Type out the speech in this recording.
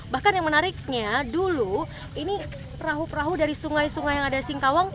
bahkan yang menariknya dulu ini perahu perahu dari sungai sungai yang ada singkawang